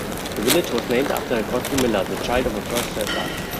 The village was named after Cosby Miller, the child of a first settler.